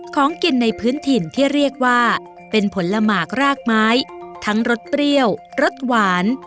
ของกินในพื้นถิ่นที่เรียกว่าเป็นผลหมากรากไม้ทั้งรสเปรี้ยวรสหวาน